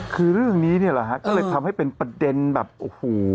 คือเรื่องนี้เนี่ยแหละฮะก็เลยทำให้เป็นประเด็นแบบโอ้โห